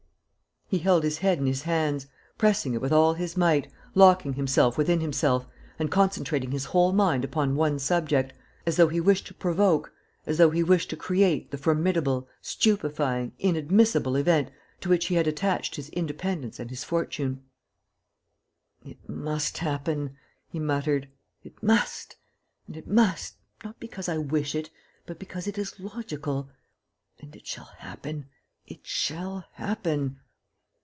..." He held his head in his hands, pressing it with all his might, locking himself within himself and concentrating his whole mind upon one subject, as though he wished to provoke, as though he wished to create the formidable, stupefying, inadmissible event to which he had attached his independence and his fortune: "It must happen," he muttered, "it must; and it must, not because I wish it, but because it is logical. And it shall happen ... it shall happen.